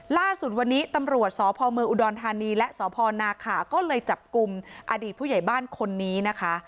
ล่าสุดวันนี้ตำรวจสพเมืองอุดรธานีและสพนาขาก็เลยจับกลุ่มอดีตผู้ใหญ่บ้านคนนี้นะคะ